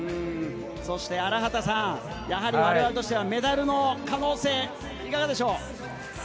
荒畑さん、我々としてはメダルの可能性、いかがでしょう？